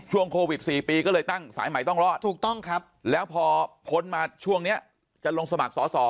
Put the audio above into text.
โควิด๔ปีก็เลยตั้งสายใหม่ต้องรอดถูกต้องครับแล้วพอพ้นมาช่วงนี้จะลงสมัครสอสอ